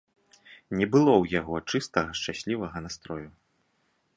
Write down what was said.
Не было ў яго чыстага шчаслівага настрою.